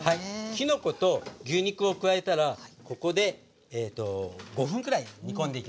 きのこと牛肉を加えたらここで５分くらい煮込んでいきます。